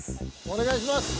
お願いします。